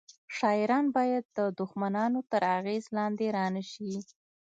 شاعران باید د دښمنانو تر اغیز لاندې رانه شي